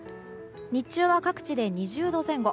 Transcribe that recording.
日中は各地で２０度前後。